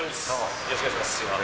よろしくお願いします。